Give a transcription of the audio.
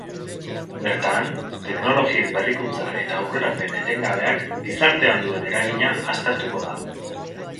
Bertan, teknologien berrikuntza eta aurrerapen etengabeak gizartean duten eragina aztertuko da.